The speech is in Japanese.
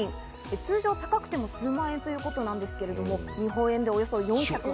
通常高くても数万円ということなんですけれども日本円で。